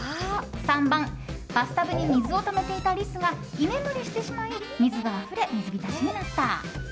３番、バスタブに水をためていたリスが居眠りしてしまい水があふれ、水浸しになった。